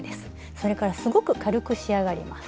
それからすごく軽く仕上がります。